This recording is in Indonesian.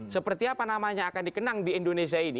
seperti apa namanya akan dikenang di indonesia ini